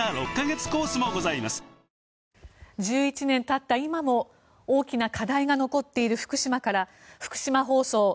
１１年経った今も大きな課題が残っている福島から福島放送